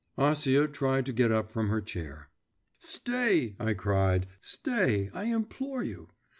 Acia tried to get up from her chair. 'Stay,' I cried, 'stay, I implore you.